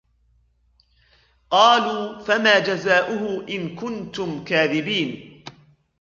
قالوا فما جزاؤه إن كنتم كاذبين